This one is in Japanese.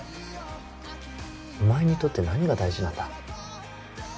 お前にとって何が大事なんだ？